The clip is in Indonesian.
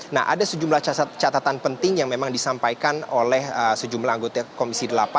nah ada sejumlah catatan penting yang memang disampaikan oleh sejumlah anggota komisi delapan